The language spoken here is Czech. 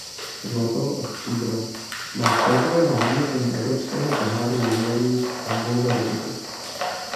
Zlato a stříbro má z celkového hodnocení Evropského poháru juniorů v boulderingu.